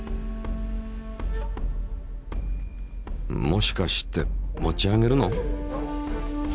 もしかして持ち上げるの？